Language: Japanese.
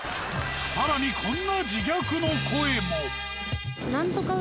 更にこんな自虐の声も。